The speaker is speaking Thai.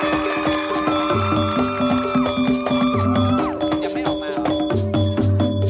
โปรดติดตามตอนต่อไป